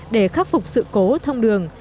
để khắc phục sự cố thông tin